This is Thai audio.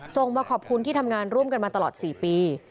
ส่งมาขอบคุณที่ทำงานร่วมกันมาตลอด๔ปี